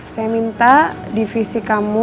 saya minta divisi kamu